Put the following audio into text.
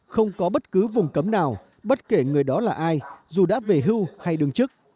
không có bất cứ vùng cấm nào bất kể người đó là ai dù đã về hưu hay đương chức